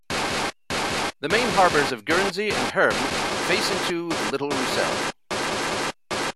The main harbours of Guernsey and Herm face into the Little Roussel.